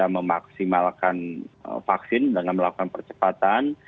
memaksimalkan vaksin dengan melakukan percepatan